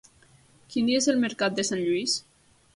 Quin dia és el mercat de Sant Lluís?